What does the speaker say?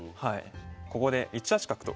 ここで１八角と。